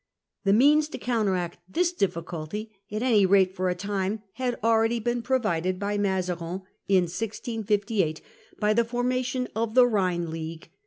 The means to counteract this diffi culty, at any rate for a time, had already been provided by Mazarin, in 1658, by the formation of the Rhine League (see p.